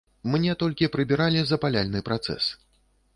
Мне толькі прыбіралі запаляльны працэс.